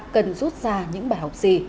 cần rút ra những bài học gì